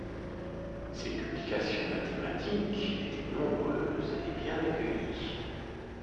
Ses publications mathématiques étaient nombreuses et bien accueillies.